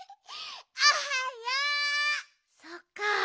そっか。